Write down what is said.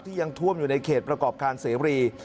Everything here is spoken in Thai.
ยังท่วมอยู่ในเขตประกอบการเสรี